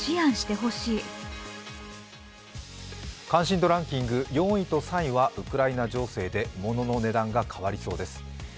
関心度ランキング４位と３位はウクライナ情勢でものの値段が変わりそうです。